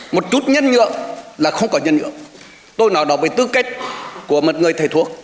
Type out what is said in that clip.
một chút nhân nhượng là không có nhân nhượng tôi nói đó với tư cách của một người thầy thuốc